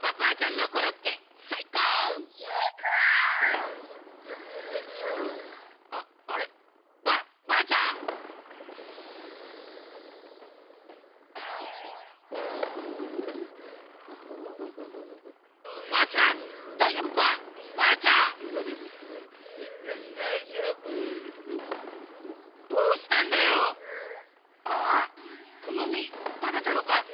あっこのみたべたのか？